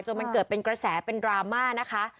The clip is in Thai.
มันเกิดเป็นกระแสเป็นดราม่านะคะ